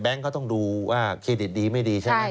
แบงกเขาต้องดูว่าเคะเด็ดดีไม่ดีใช่ไหม